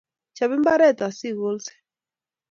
Chop mbaret sikolse